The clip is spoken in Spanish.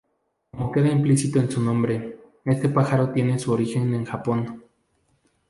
Como queda implícito en su nombre, este pájaro tiene su origen en Japón.